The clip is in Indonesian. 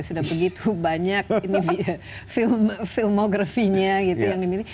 sudah begitu banyak filmography nya gitu